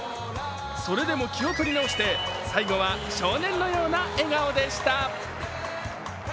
それでも気を取り直して最後は少年のような笑顔でした。